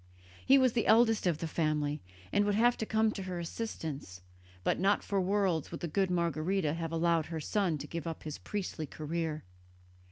He was the eldest of the family and would have come to her assistance, but not for worlds would the good Margherita have allowed her son to give up his priestly career.